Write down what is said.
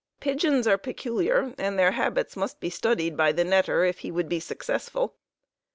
Pigeons are peculiar, and their habits must be studied by the netter if he would be successful.